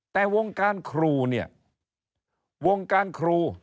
แต่วงการครูเนี่ยวงการครู